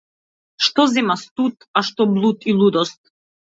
Што зема студ, а што блуд и лудост.